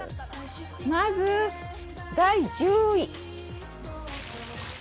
まず第１０位。